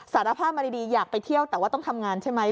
สารภาพมาดีอยากไปเที่ยวแต่ว่าต้องทำงานใช่ไหม